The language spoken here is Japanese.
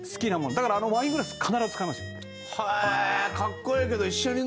だからあのワイングラス必ず使いますよ。